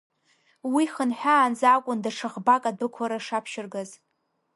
Уи хынҳәаанӡа акәын даҽа ӷбак адәықәлара шаԥшьыргаз.